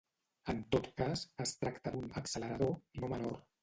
En tot cas, es tracta d’un ‘accelerador’ no menor.